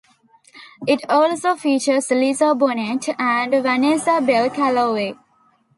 It also features Lisa Bonet, and Vanessa Bell Calloway.